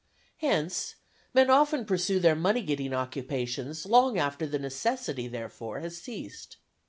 Hence, men often pursue their money getting occupations long after the necessity therefor has ceased.